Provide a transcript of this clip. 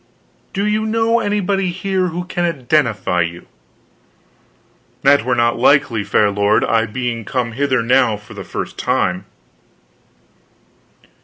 "Do you know anybody here who can identify you?" "That were not likely, fair lord, I being come hither now for the first time."